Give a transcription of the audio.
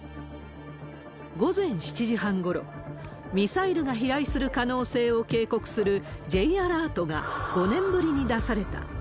午前７時半ごろ、ミサイルが飛来する可能性を警告するＪアラートが５年ぶりに出された。